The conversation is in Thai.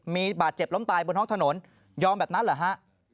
มีบาดเจ็บล้มตายบนห้องถนนยอมแบบนั้นเหรอฮะ